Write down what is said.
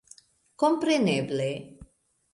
Kompreneble...